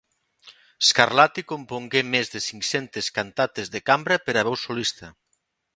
Scarlatti compongué més de cinc-centes cantates de cambra per a veu solista.